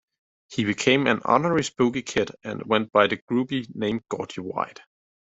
He became an honorary spooky kid, and went by the groupie name Gordy White.